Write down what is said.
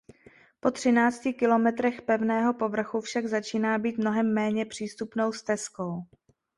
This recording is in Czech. Po třinácti kilometrech pevného povrchu však začíná být mnohem méně přístupnou stezkou.